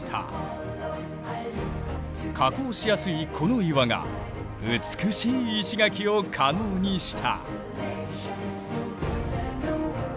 加工しやすいこの岩が美しい石垣を可能にした。